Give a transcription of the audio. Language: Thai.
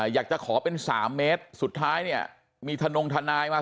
อยากจะขอเป็น๓เมตรสุดท้ายเนี่ยมีทนงทนายมา